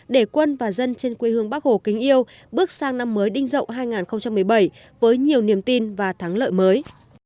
để quân và dân trên quê hương bắc hồ kính yêu bước sang năm mới đinh rậu hai nghìn một mươi bảy với nhiều niềm tin và thắng lợi mới